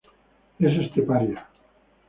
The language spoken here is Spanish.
Es esteparia.